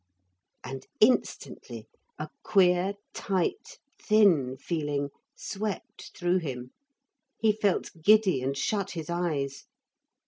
And instantly a queer tight thin feeling swept through him. He felt giddy and shut his eyes.